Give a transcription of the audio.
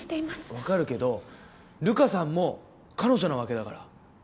分かるけど瑠華さんも彼女なわけだから。